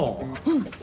うん。